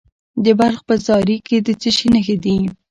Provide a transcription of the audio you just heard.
د بلخ په زاري کې د څه شي نښې دي؟